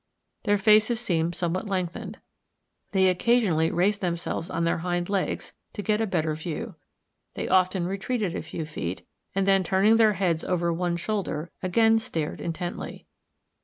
Their faces seemed somewhat lengthened. They occasionally raised themselves on their hind legs to get abetter view. They often retreated a few feet, and then turning their heads over one shoulder, again stared intently.